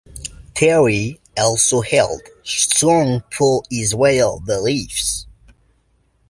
Terry also held strong pro-Israel beliefs.